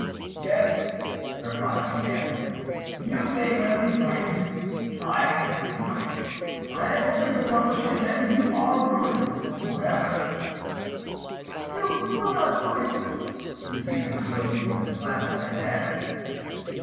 "Yes," replied Pierre, "you may well be frightened: I have your secret. I have only to publish it and you are ruined for ever:" You will not do it! "entreated the guilty woman, clasping her hands.